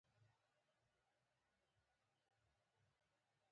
د مخنیوي لپاره بیړني اقدامات